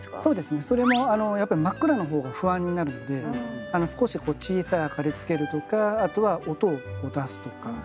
そうですねそれもやっぱり真っ暗の方が不安になるので少し小さい明かりをつけるとかあとは音を出すとか。